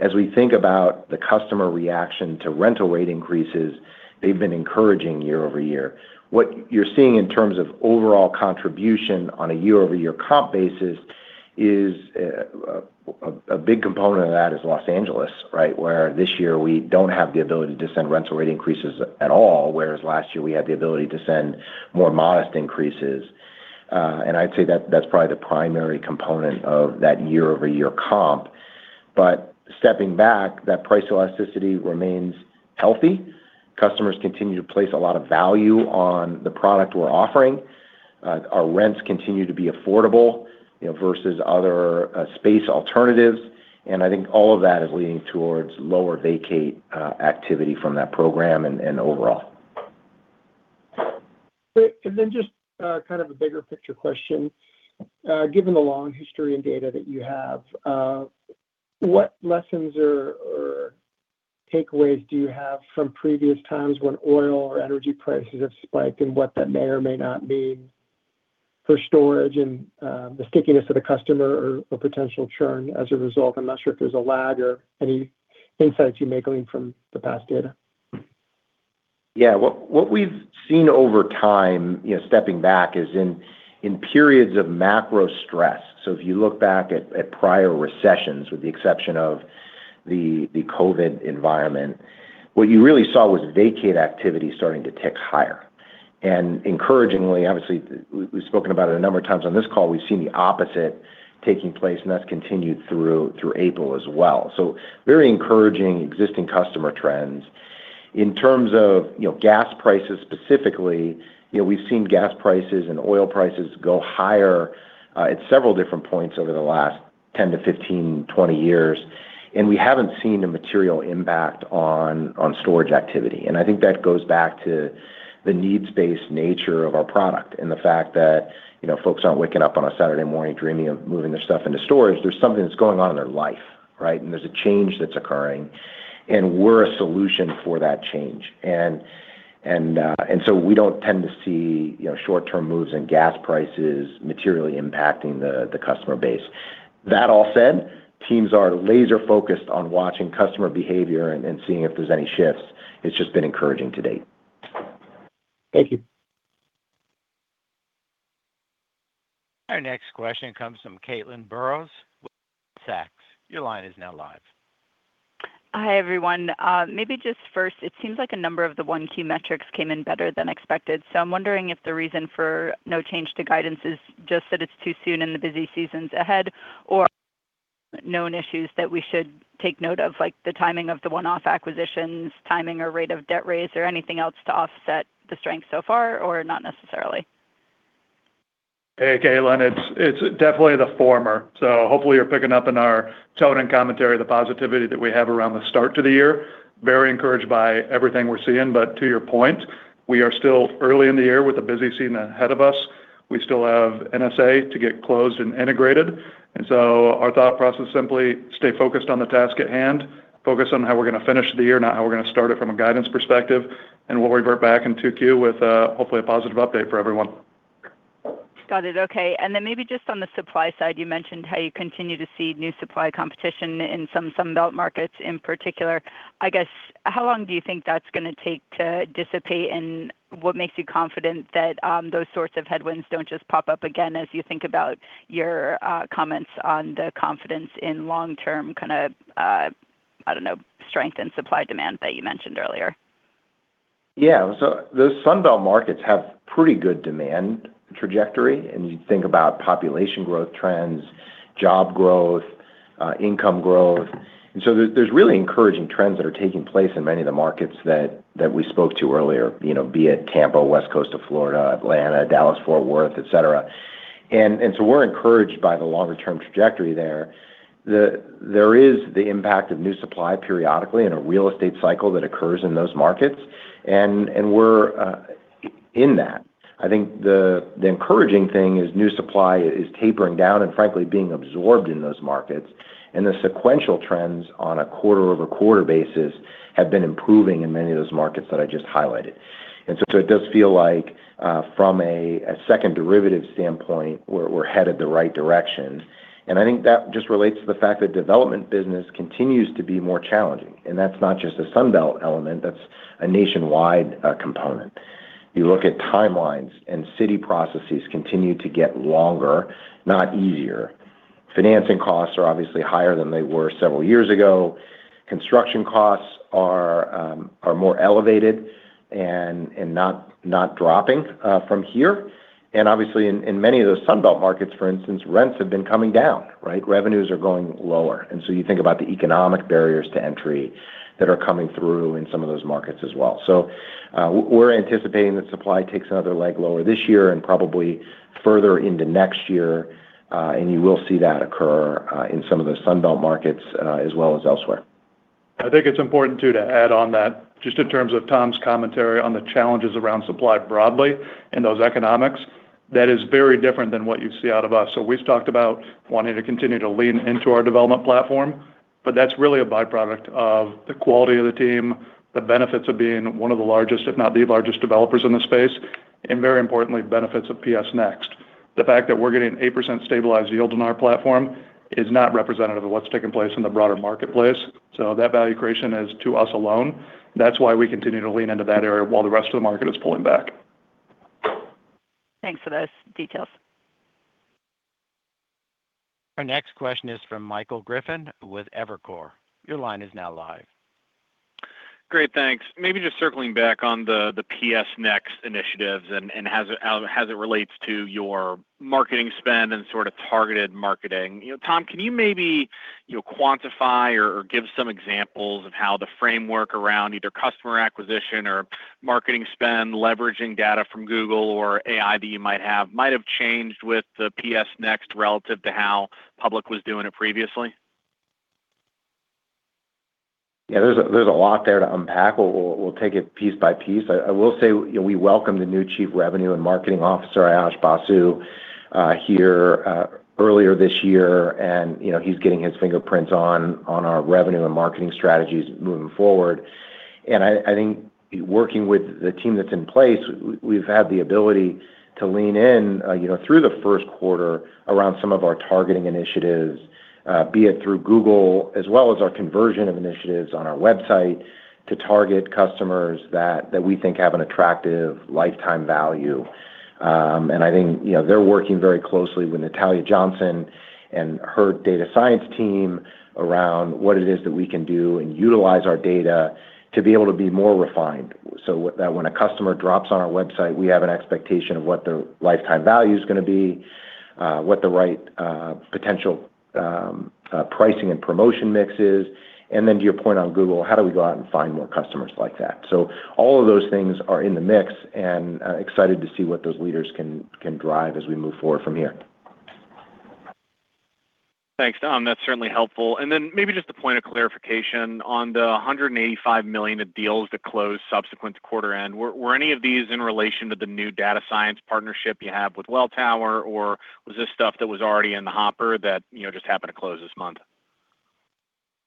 As we think about the customer reaction to rental rate increases, they've been encouraging year-over-year. What you're seeing in terms of overall contribution on a year-over-year comp basis is a big component of that is Los Angeles, right? Where this year we don't have the ability to send rental rate increases at all, whereas last year we had the ability to send more modest increases. I'd say that's probably the primary component of that year-over-year comp. Stepping back, that price elasticity remains healthy. Customers continue to place a lot of value on the product we're offering. Our rents continue to be affordable, you know, versus other space alternatives. I think all of that is leading towards lower vacate activity from that program and overall. Great. Just kind of a bigger picture question. Given the long history and data that you have, what lessons or takeaways do you have from previous times when oil or energy prices have spiked and what that may or may not mean for storage and the stickiness of the customer or potential churn as a result? I'm not sure if there's a lag or any insights you may glean from the past data. Yeah. What we've seen over time, you know, stepping back is in periods of macro stress. If you look back at prior recessions with the exception of the COVID environment, what you really saw was vacate activity starting to tick higher. Encouragingly, obviously we've spoken about it a number of times on this call, we've seen the opposite taking place and that's continued through April as well. Very encouraging existing customer trends. In terms of, you know, gas prices specifically, you know, we've seen gas prices and oil prices go higher at several different points over the last 10 to 15, 20 years. We haven't seen a material impact on storage activity. I think that goes back to the needs-based nature of our product and the fact that, you know, folks aren't waking up on a Saturday morning dreaming of moving their stuff into storage. There's something that's going on in their life, right? There's a change that's occurring, and we're a solution for that change. We don't tend to see, you know, short-term moves in gas prices materially impacting the customer base. That all said, teams are laser focused on watching customer behavior and seeing if there's any shifts. It's just been encouraging to date. Thank you. Our next question comes from Caitlin Burrows with Sachs. Your line is now live. Hi, everyone. Maybe just first, it seems like a number of the one-key metrics came in better than expected. I'm wondering if the reason for no change to guidance is just that it's too soon in the busy seasons ahead or known issues that we should take note of, like the timing of the one-off acquisitions, timing or rate of debt raise or anything else to offset the strength so far, or not necessarily? Hey, Caitlin. It's definitely the former. Hopefully you're picking up in our tone and commentary the positivity that we have around the start to the year. Very encouraged by everything we're seeing. To your point, we are still early in the year with a busy season ahead of us. We still have NSA to get closed and integrated. Our thought process, simply stay focused on the task at hand. Focus on how we're gonna finish the year, not how we're gonna start it from a guidance perspective. We'll revert back in 2Q with hopefully a positive update for everyone. Got it. Okay. Then maybe just on the supply side, you mentioned how you continue to see new supply competition in some Sun Belt markets in particular. I guess, how long do you think that's gonna take to dissipate, and what makes you confident that those sorts of headwinds don't just pop up again as you think about your comments on the confidence in long-term kinda, I don't know, strength and supply demand that you mentioned earlier? Yeah. Those Sun Belt markets have pretty good demand trajectory, and you think about population growth trends, job growth, income growth. There's really encouraging trends that are taking place in many of the markets that we spoke to earlier. You know, be it Tampa, West Coast of Florida, Atlanta, Dallas-Fort Worth, et cetera. We're encouraged by the longer term trajectory there. There is the impact of new supply periodically in a real estate cycle that occurs in those markets, and we're in that. I think the encouraging thing is new supply is tapering down and frankly being absorbed in those markets. The sequential trends on a quarter-over-quarter basis have been improving in many of those markets that I just highlighted. It does feel like, from a second derivative standpoint, we're headed the right direction. I think that just relates to the fact that development business continues to be more challenging. That's not just a Sun Belt element, that's a nationwide component. You look at timelines and city processes continue to get longer, not easier. Financing costs are obviously higher than they were several years ago. Construction costs are more elevated and not dropping from here. Obviously in many of those Sun Belt markets, for instance, rents have been coming down, right? Revenues are going lower. You think about the economic barriers to entry that are coming through in some of those markets as well. We're anticipating that supply takes another leg lower this year and probably further into next year, and you will see that occur in some of the Sun Belt markets as well as elsewhere. I think it's important too to add on that just in terms of Tom's commentary on the challenges around supply broadly in those economics, that is very different than what you see out of us. We've talked about wanting to continue to lean into our development platform, but that's really a byproduct of the quality of the team, the benefits of being one of the largest, if not the largest developers in the space, and very importantly, benefits of PS Next. The fact that we're getting 8% stabilized yield in our platform is not representative of what's taking place in the broader marketplace. That value creation is to us alone. That's why we continue to lean into that area while the rest of the market is pulling back. Thanks for those details. Our next question is from Michael Griffin with Evercore. Your line is now live. Great, thanks. Maybe just circling back on the PS Next initiatives and as it relates to your marketing spend and sort of targeted marketing. You know, Tom, can you maybe, you know, quantify or give some examples of how the framework around either customer acquisition or marketing spend, leveraging data from Google or AI that you might have, might have changed with the PS Next relative to how Public was doing it previously? Yeah, there's a lot there to unpack. We'll take it piece by piece. I will say, you know, we welcome the new Chief Revenue and Marketing Officer, Ayash Basu, here earlier this year. You know, he's getting his fingerprints on our revenue and marketing strategies moving forward. I think working with the team that's in place, we've had the ability to lean in, you know, through the first quarter around some of our targeting initiatives, be it through Google, as well as our conversion of initiatives on our website to target customers that we think have an attractive lifetime value. I think, you know, they're working very closely with Natalia Johnson and her data science team around what it is that we can do and utilize our data to be able to be more refined. That when a customer drops on our website, we have an expectation of what the lifetime value's gonna be, what the right potential pricing and promotion mix is, and then to your point on Google, how do we go out and find more customers like that? All of those things are in the mix, and excited to see what those leaders can drive as we move forward from here. Thanks, Tom. That's certainly helpful. Maybe just a point of clarification. On the $185 million of deals that closed subsequent to quarter end, were any of these in relation to the new data science partnership you have with Welltower, or was this stuff that was already in the hopper that, you know, just happened to close this month?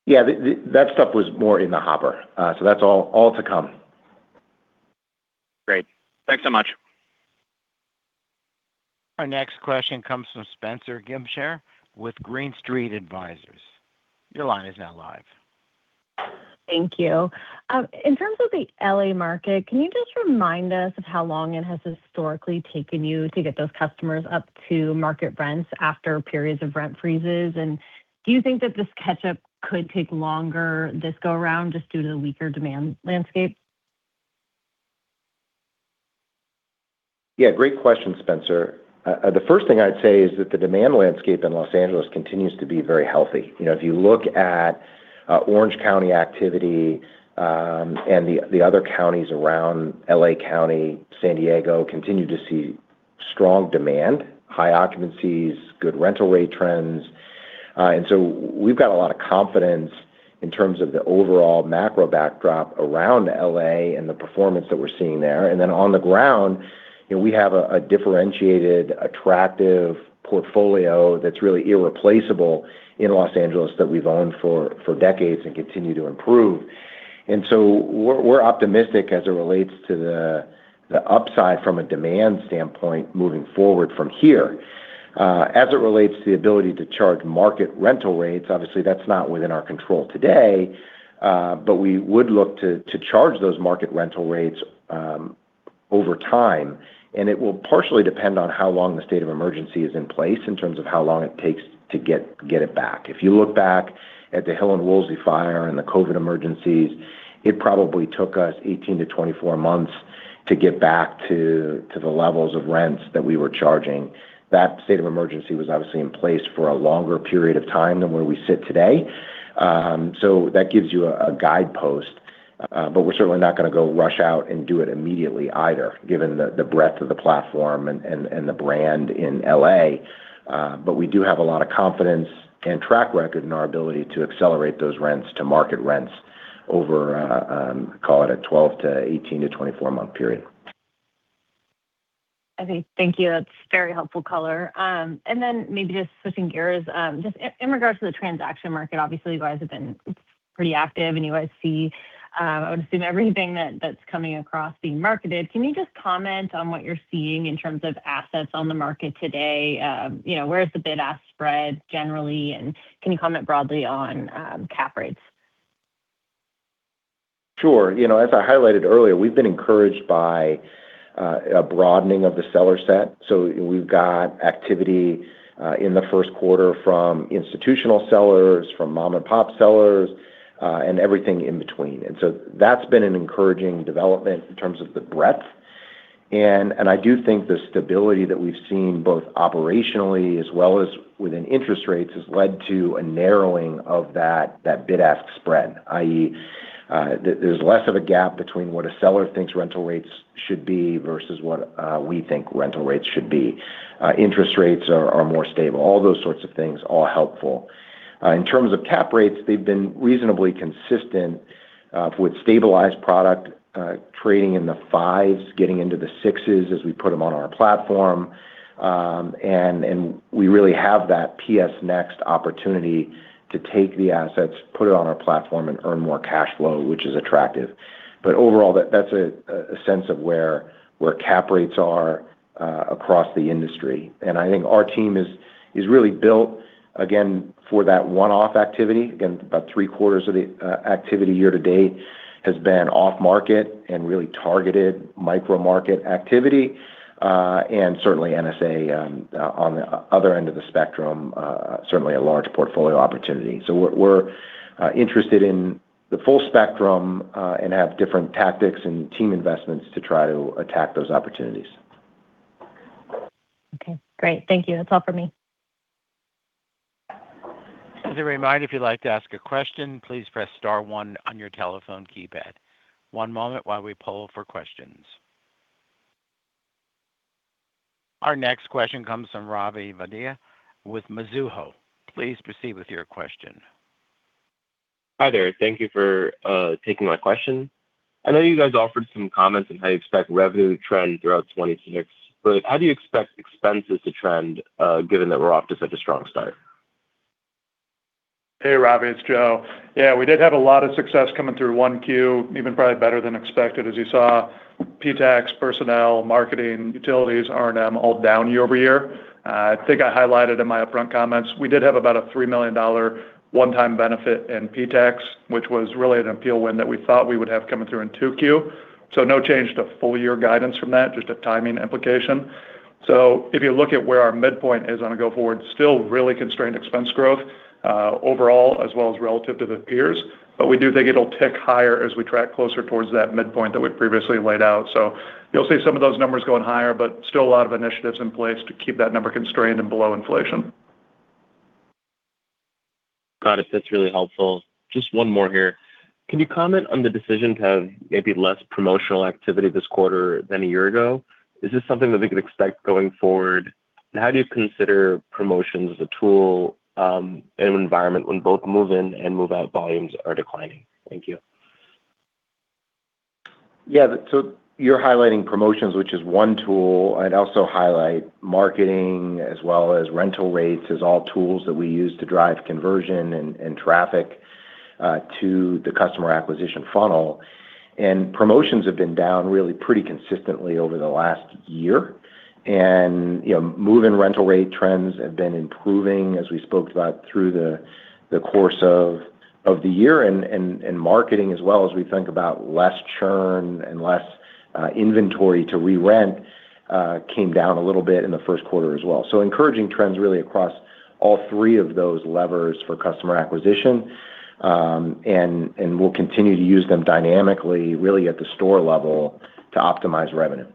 Yeah. That stuff was more in the hopper. That's all to come. Great. Thanks so much. Our next question comes from Spenser Allaway with Green Street. Thank you. In terms of the L.A. market, can you just remind us of how long it has historically taken you to get those customers up to market rents after periods of rent freezes? Do you think that this catch-up could take longer this go around just due to the weaker demand landscape? Yeah, great question, Spenser. The first thing I'd say is that the demand landscape in Los Angeles continues to be very healthy. You know, if you look at Orange County activity, and the other counties around L.A. County, San Diego continue to see strong demand, high occupancies, good rental rate trends. We've got a lot of confidence in terms of the overall macro backdrop around L.A. and the performance that we're seeing there. On the ground, you know, we have a differentiated, attractive portfolio that's really irreplaceable in Los Angeles that we've owned for decades and continue to improve. We're optimistic as it relates to the upside from a demand standpoint moving forward from here. As it relates to the ability to charge market rental rates, obviously that's not within our control today, but we would look to charge those market rental rates over time. It will partially depend on how long the state of emergency is in place in terms of how long it takes to get it back. If you look back at the Hill and Woolsey fires and the COVID emergencies, it probably took us 18 to 24 months to get back to the levels of rents that we were charging. That state of emergency was obviously in place for a longer period of time than where we sit today. That gives you a guidepost, but we're certainly not gonna go rush out and do it immediately either, given the breadth of the platform and the brand in L.A. We do have a lot of confidence and track record in our ability to accelerate those rents to market rents over, call it a 12 to 18 to 24-month period. Okay. Thank you. That's very helpful color. Then maybe just switching gears, just in regards to the transaction market, obviously you guys have been pretty active, and you guys see, I would assume everything that's coming across being marketed. Can you just comment on what you're seeing in terms of assets on the market today? You know, where's the bid-ask spread generally, and can you comment broadly on cap rates? Sure. You know, as I highlighted earlier, we've been encouraged by a broadening of the seller set. We've got activity in the first quarter from institutional sellers, from mom-and-pop sellers, and everything in between. That's been an encouraging development in terms of the breadth. I do think the stability that we've seen both operationally as well as within interest rates has led to a narrowing of that bid-ask spread, i.e., there's less of a gap between what a seller thinks rental rates should be versus what we think rental rates should be. Interest rates are more stable. All those sorts of things are helpful. In terms of cap rates, they've been reasonably consistent with stabilized product trading in the 5%, getting into the 6% as we put them on our platform. We really have that PS Next opportunity to take the assets, put it on our platform, and earn more cash flow, which is attractive. Overall, that's a sense of where cap rates are across the industry. I think our team is really built, again, for that one-off activity. Again, about three quarters of the activity year to date has been off market and really targeted micro-market activity. Certainly NSA on the other end of the spectrum, certainly a large portfolio opportunity. We're interested in the full spectrum and have different tactics and team investments to try to attack those opportunities. Okay. Great. Thank you. That is all for me. As a reminder, if you would like to ask a question, please press star one on your telephone keypad. One moment while we poll for questions. Our next question comes from Ravi Vaidya with Mizuho. Please proceed with your question. Hi there. Thank you for taking my question. I know you guys offered some comments on how you expect revenue to trend throughout 2026. How do you expect expenses to trend given that we're off to such a strong start? Hey, Ravi. It's Joe. Yeah, we did have a lot of success coming through 1Q, even probably better than expected, as you saw. PTAX, personnel, marketing, utilities, R&M all down year-over-year. I think I highlighted in my upfront comments, we did have about a $3 million one-time benefit in PTAX, which was really an appeal win that we thought we would have coming through in 2Q. No change to full year guidance from that, just a timing implication. If you look at where our midpoint is on a go forward, still really constrained expense growth overall as well as relative to the peers. We do think it'll tick higher as we track closer towards that midpoint that we previously laid out. You'll see some of those numbers going higher, but still a lot of initiatives in place to keep that number constrained and below inflation. Got it. That's really helpful. Just one more here. Can you comment on the decision to have maybe less promotional activity this quarter than a year ago? Is this something that we could expect going forward? How do you consider promotions a tool in an environment when both move in and move out volumes are declining? Thank you. Yeah. You're highlighting promotions, which is one tool. I'd also highlight marketing as well as rental rates as all tools that we use to drive conversion and traffic to the customer acquisition funnel. Promotions have been down really pretty consistently over the last year. You know, move-in rental rate trends have been improving as we spoke about through the course of the year. Marketing as well as we think about less churn and less inventory to re-rent came down a little bit in the first quarter as well. Encouraging trends really across all three of those levers for customer acquisition. We'll continue to use them dynamically really at the store level to optimize revenue.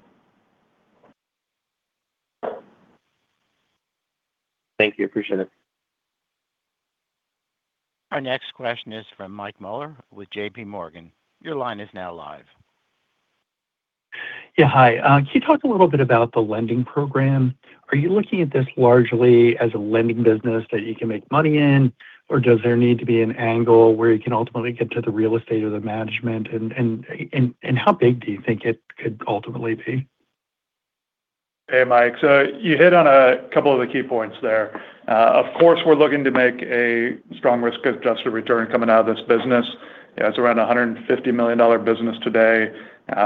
Thank you. Appreciate it. Our next question is from Mike Mueller with JPMorgan. Your line is now live. Yeah, hi. Can you talk a little bit about the lending program? Are you looking at this largely as a lending business that you can make money in? Or does there need to be an angle where you can ultimately get to the real estate or the management? How big do you think it could ultimately be? Hey, Mike. You hit on a couple of the key points there. Of course, we're looking to make a strong risk-adjusted return coming out of this business. It's around a $150 million business today.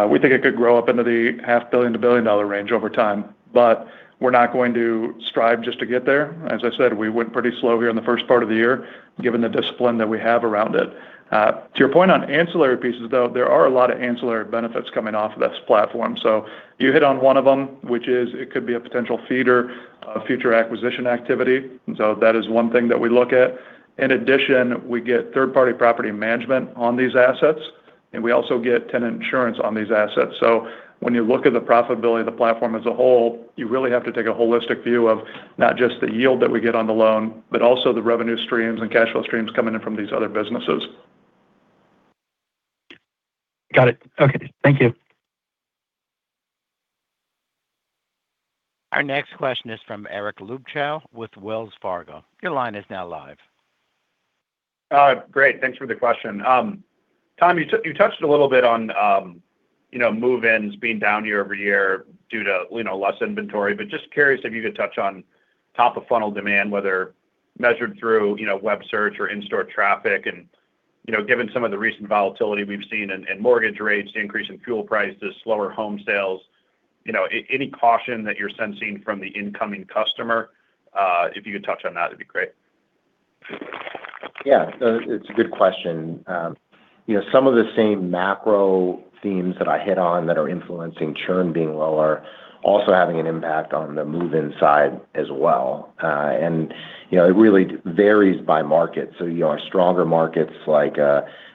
We think it could grow up into the half billion to $1 billion range over time, but we're not going to strive just to get there. As I said, we went pretty slow here in the first part of the year, given the discipline that we have around it. To your point on ancillary pieces, though, there are a lot of ancillary benefits coming off of this platform. You hit on one of them, which is it could be a potential feeder of future acquisition activity. That is one thing that we look at. In addition, we get third-party property management on these assets, and we also get tenant insurance on these assets. When you look at the profitability of the platform as a whole, you really have to take a holistic view of not just the yield that we get on the loan, but also the revenue streams and cash flow streams coming in from these other businesses. Got it. Okay. Thank you. Our next question is from Eric Luebchow with Wells Fargo. Your line is now live. Great. Thanks for the question. Tom, you touched a little bit on, you know, move-ins being down year-over-year due to, you know, less inventory. Just curious if you could touch on top of funnel demand, whether measured through, you know, web search or in-store traffic. You know, given some of the recent volatility we've seen in mortgage rates, increase in fuel prices, slower home sales. You know, any caution that you're sensing from the incoming customer, if you could touch on that, it'd be great. Yeah. It's a good question. You know, some of the same macro themes that I hit on that are influencing churn being lower, also having an impact on the move inside as well. You know, it really varies by market. You know, our stronger markets like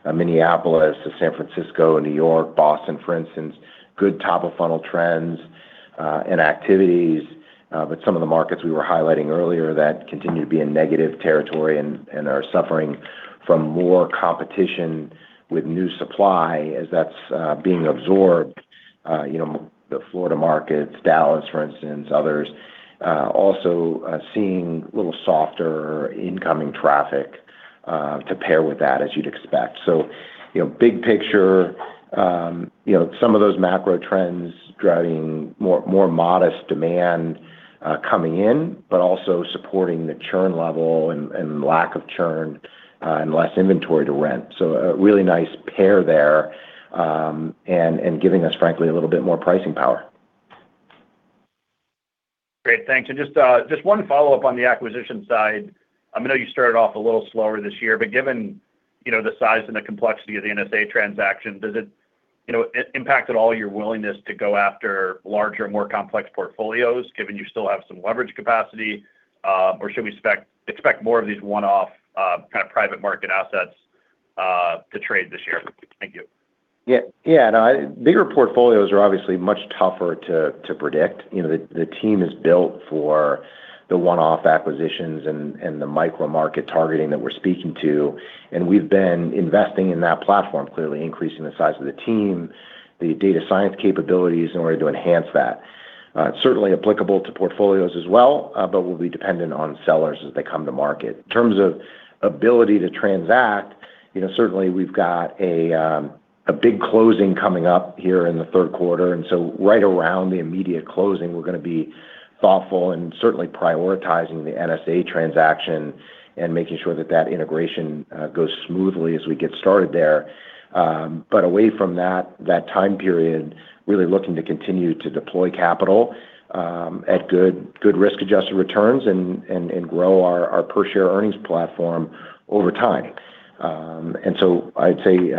Minneapolis to San Francisco, New York, Boston, for instance, good top of funnel trends and activities. Some of the markets we were highlighting earlier that continue to be in negative territory and are suffering from more competition with new supply as that's being absorbed, you know, the Florida markets, Dallas, for instance, others, also seeing little softer incoming traffic to pair with that as you'd expect. You know, big picture, you know, some of those macro trends driving more, more modest demand, coming in, but also supporting the churn level and lack of churn, and less inventory to rent. A really nice pair there, and giving us, frankly, a little bit more pricing power. Great. Thanks. Just one follow-up on the acquisition side. I know you started off a little slower this year, but given, you know, the size and the complexity of the NSA transaction, does it, you know, impact at all your willingness to go after larger and more complex portfolios, given you still have some leverage capacity? Should we expect more of these one-off kind of private market assets to trade this year? Thank you. Yeah. Yeah. No, bigger portfolios are obviously much tougher to predict. You know, the team is built for the one-off acquisitions and the micro-market targeting that we're speaking to, and we've been investing in that platform, clearly increasing the size of the team, the data science capabilities in order to enhance that. It's certainly applicable to portfolios as well, but will be dependent on sellers as they come to market. In terms of ability to transact, you know, certainly we've got a big closing coming up here in the third quarter, and so right around the immediate closing, we're gonna be thoughtful and certainly prioritizing the NSA transaction and making sure that that integration goes smoothly as we get started there. Away from that time period, really looking to continue to deploy capital at good risk-adjusted returns and grow our per share earnings platform over time. I'd say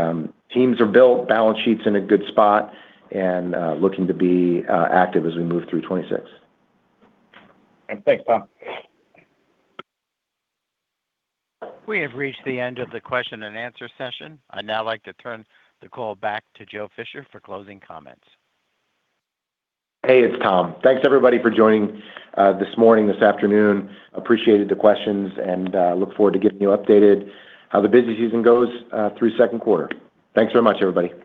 teams are built, balance sheet's in a good spot and looking to be active as we move through 2026. Thanks, Tom. We have reached the end of the question and answer session. I'd now like to turn the call back to Joe Fisher for closing comments. Hey, it's Tom. Thanks everybody for joining this morning, this afternoon. Appreciated the questions and look forward to getting you updated how the busy season goes through second quarter. Thanks very much, everybody.